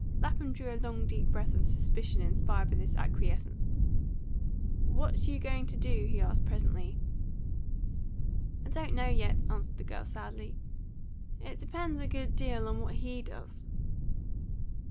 Lapham drew a long deep breath of suspicion inspired by this acquiescence. "What you going to do?" he asked presently. "I don't know yet," answered the girl sadly. "It depends a good deal upon what he does."